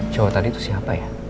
cowok tadi itu siapa ya